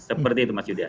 seperti itu mas yudhiyah